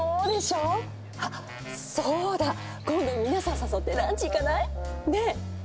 あそうだ今度皆さん誘ってランチ行かない？ねえ。